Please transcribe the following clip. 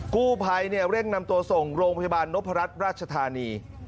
กู้ภัยเร่งนำตัวส่งโรงพยาบาลนพรัชราชธานี